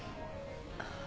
ああ。